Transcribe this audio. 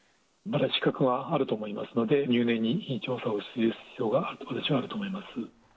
まだ死角はあると思いますので、入念に調査をする必要が私はあると思います。